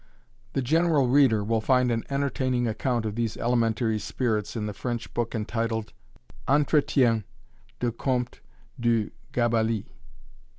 The general reader will find an entertaining account of these elementary spirits in the French book entitled, "Entretiens de Compte du Gabalis."